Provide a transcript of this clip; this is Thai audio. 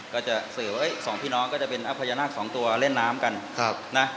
ก็จะสื่อว่าสองพี่น้องก็จะเป็นพญานาคสองตัวเล่นน้ำกันนะ